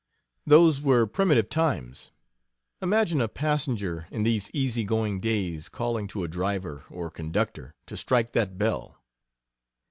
Those were primitive times. Imagine a passenger in these easy going days calling to a driver or conductor to "Strike that bell!"